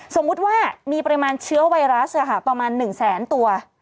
สมมุติว่ามีปริมาณเชื้อไวรัสประมาณ๑แสนตัว